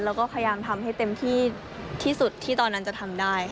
แล้วก็พยายามทำให้เต็มที่ที่สุดที่ตอนนั้นจะทำได้